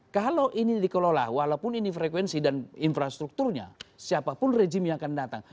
kalau ini dikelola walaupun ini frekuensi dan infrastrukturnya siapapun rejim yang akan datang